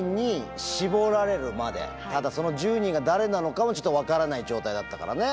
ただその１０人が誰なのかもちょっと分からない状態だったからね。